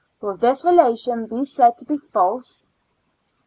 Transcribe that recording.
Will this relation be said to be false?